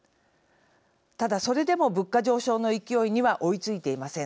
ただそれでも物価上昇の勢いには追いついていません。